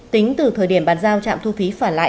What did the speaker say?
tính từ thời điểm bàn giao trạm thu phí phả lại